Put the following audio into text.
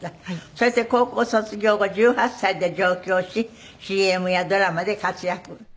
そして高校卒業後１８歳で上京しＣＭやドラマで活躍。